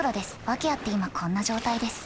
訳あって今こんな状態です。